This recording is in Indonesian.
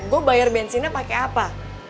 gue bayar bensinnya pakai apa